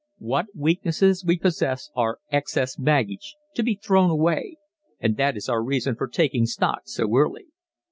What weaknesses we possess are excess baggage to be thrown away and that is our reason for taking stock so early.